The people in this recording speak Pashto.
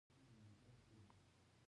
یو خروار وړونکي خپل خر په مالګې بار کړ.